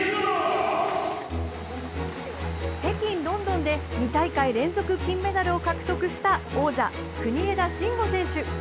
北京、ロンドンで２大会連続金メダルを獲得した王者・国枝慎吾選手。